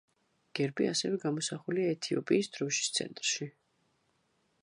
გერბი ასევე გამოსახულია ეთიოპიის დროშის ცენტრში.